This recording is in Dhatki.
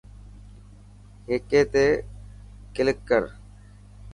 هيڪي تي ڪلڪ ڪر.